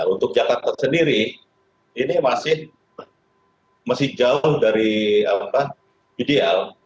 untuk jakarta sendiri ini masih jauh dari ideal